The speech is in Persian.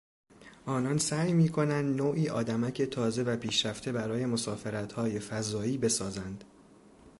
آنان سعی میکنند نوعیآدمک تازه و پیشرفته برای مسافرتهای فضایی بسازند.